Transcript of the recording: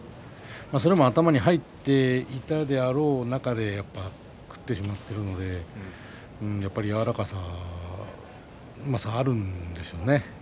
それも頭に入っていただろう中で食ってしまったのでやはり柔らかさとうまさがあるんでしょうね。